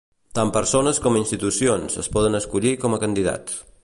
Tant persones com institucions es poden escollir com a candidats.